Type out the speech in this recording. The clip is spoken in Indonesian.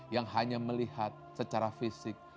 yang hanya melihat secara fisik